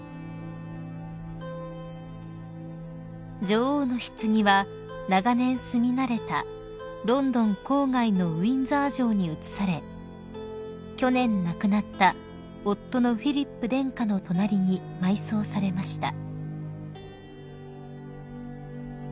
［女王のひつぎは長年住み慣れたロンドン郊外のウィンザー城に移され去年亡くなった夫のフィリップ殿下の隣に埋葬されました］